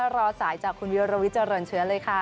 รอสายจากคุณวิรวิทเจริญเชื้อเลยค่ะ